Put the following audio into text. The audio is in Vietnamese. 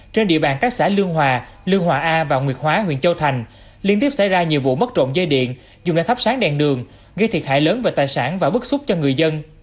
trên địa bàn các xã lương hòa lương hòa a và nguyệt hóa huyện châu thành liên tiếp xảy ra nhiều vụ mất trộm dây điện dùng để thắp sáng đèn đường gây thiệt hại lớn về tài sản và bức xúc cho người dân